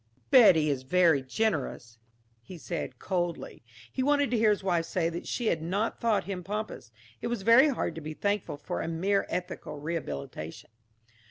"Betty is very generous," he said coldly. He wanted to hear his wife say that she had not thought him pompous; it was very hard to be thankful for a mere ethical rehabilitation.